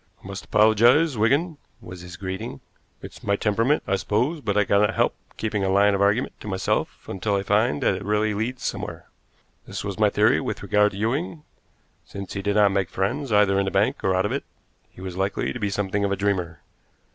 "I must apologize, Wigan," was his greeting. "It's my temperament, I suppose, but I cannot help keeping a line of argument to myself until I find that it really leads somewhere. This was my theory with regard to Ewing. Since he did not make friends, either in the bank or out of it, he was likely to be something of a dreamer.